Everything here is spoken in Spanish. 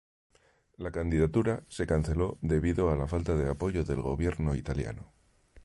La candidatura se canceló debido a la falta de apoyo del gobierno italiano.